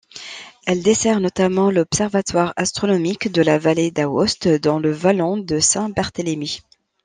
Elle dessert notamment l'Observatoire astronomique de la Vallée d'Aoste, dans le vallon de Saint-Barthélemy.